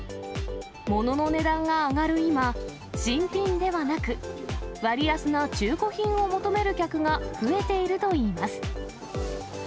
物の値段が上がる今、新品ではなく、割安な中古品を求める客が増えているといいます。